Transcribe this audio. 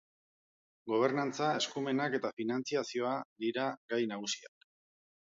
Gobernantza, eskumenak eta finantzazioa dira gai nagusiak.